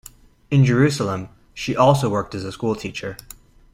In Jerusalem, she also worked as a schoolteacher.